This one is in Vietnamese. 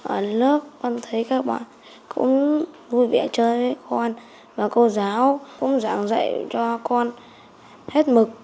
ở lớp con thấy các bạn cũng vui vẻ chơi con và cô giáo cũng giảng dạy cho con hết mực